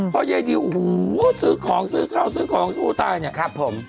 เพราะเยดิวสื้อของสื้อข้าวสื้อของซูต้านี่ครับผม